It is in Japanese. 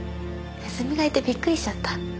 ネズミがいてびっくりしちゃった。